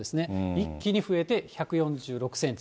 一気に増えて１４６センチ。